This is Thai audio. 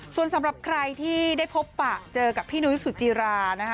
ส่วนสำหรับใครที่ได้พบปะเจอกับพี่นุ้ยสุจิรานะคะ